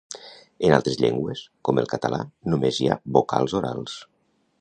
En altres llengües, com el català, només hi ha vocals orals.